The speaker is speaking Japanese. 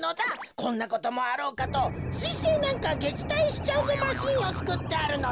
こんなこともあろうかとすいせいなんかげきたいしちゃうぞマシンをつくってあるのだ。